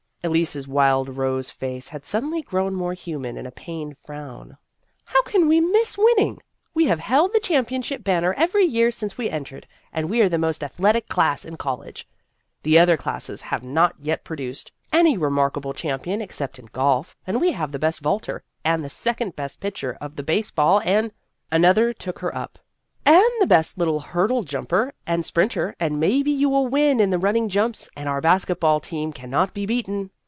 Elise's wild rose face had suddenly grown more human in a pained frown. " How can we miss winning ? We have held the championship banner every year since we entered, and we are the most athletic class in college. The other classes have not yet produced any remarkable chain 160 Vassar Studies pion except in golf, and we have the best vaulter and the second best pitcher of the base ball and " Another took her up :" And the best little hurdle jumper and sprinter, and maybe you will win in the running jumps, and our basket ball team cannot be beaten."